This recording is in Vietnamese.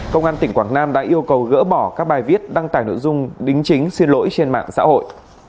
công an tỉnh quảng nam đã yêu cầu gỡ bỏ các bài viết đăng tải nội dung đính chính xin lỗi trên mạng xã hội